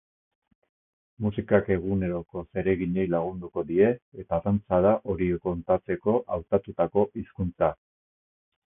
Musikak eguneroko zereginei lagunduko die eta dantza da hori kontatzeko hautatutako hizkuntza.